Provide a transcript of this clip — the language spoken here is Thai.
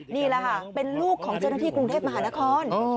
นี่แหละค่ะเป็นลูกของเจ้าหน้าที่กรุงเทพมหานคร